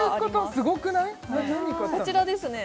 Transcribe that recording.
こちらですね